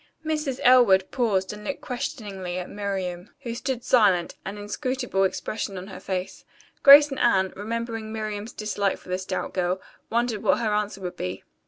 Mrs. Elwood paused and looked questioningly at Miriam, who stood silent, an inscrutable expression on her face. Grace and Anne, remembering Miriam's dislike for the stout girl, wondered what her answer would be.